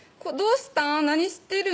何してるん？